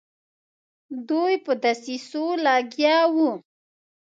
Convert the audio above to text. دوی په دسیسو لګیا وه.